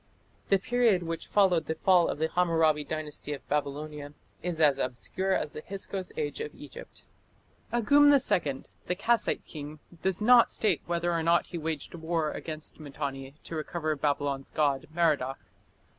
The period which followed the fall of the Hammurabi Dynasty of Babylonia is as obscure as the Hyksos Age of Egypt. Agum II, the Kassite king, does not state whether or not he waged war against Mitanni to recover Babylon's god Merodach.